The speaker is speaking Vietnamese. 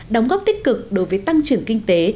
đóng góp tích cực đối với tăng trưởng kinh tế